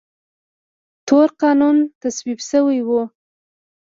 تور قانون تصویب شوی و.